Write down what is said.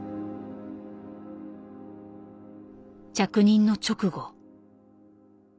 着任の直後。